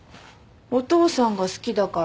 お父さんが好きだから。